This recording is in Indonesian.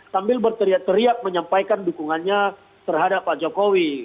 sambil berteriak teriak menyampaikan dukungannya terhadap pak jokowi